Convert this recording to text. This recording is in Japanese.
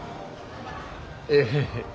ええ。